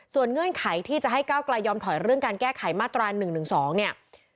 เงื่อนไขที่จะให้ก้าวกลายยอมถอยเรื่องการแก้ไขมาตรา๑๑๒เนี่ย